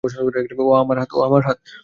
ওহ, আমার হাত!